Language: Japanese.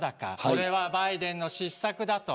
これはバイデンの失策だと。